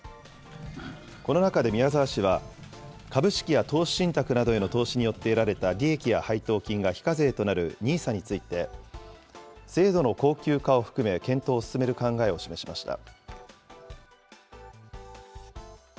この中で宮沢氏は、株式や投資信託などへの投資によって得られた利益や配当金が非課税となるＮＩＳＡについて、制度の恒久化を含め、検討を進める考えを示しました。